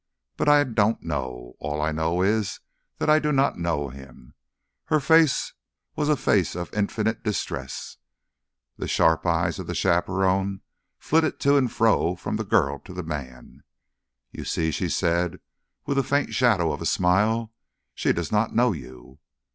But I don't know. All I know is that I do not know him." Her face was a face of infinite distress. The sharp eyes of the chaperone flitted to and fro from the girl to the man. "You see?" she said, with the faint shadow of a smile. "She does not know you."